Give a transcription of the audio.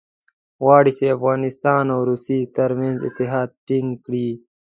غواړي چې د افغانستان او روسیې ترمنځ اتحاد ټینګ کړي.